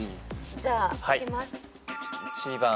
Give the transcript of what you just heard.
じゃあいきます。